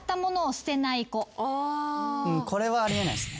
これはあり得ないっすね。